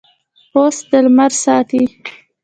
پوست د لمر ساتي.